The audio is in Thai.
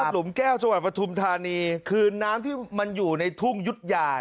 หลุมแก้วจังหวัดปฐุมธานีคือน้ำที่มันอยู่ในทุ่งยุทยา